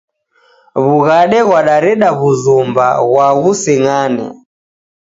W'ughade ghwadareda w'uzumba gwa ghuseng'ane!